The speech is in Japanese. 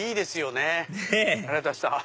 ねぇありがとうございました。